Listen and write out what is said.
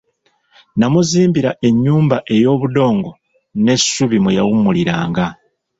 N'amuzimbira ennyumba ey'obudongo n'essubi mwe yawummuliranga.